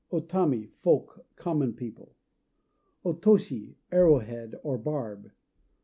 O Tami "Folk," common people. O Toshi "Arrowhead," or barb.